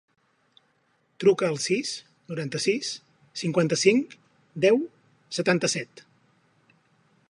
Truca al sis, noranta-sis, cinquanta-cinc, deu, setanta-set.